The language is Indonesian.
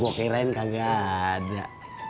gue kirain kagak ada